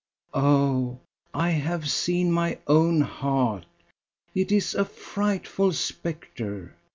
Oh, I have seen my own heart. It is a frightful spectre.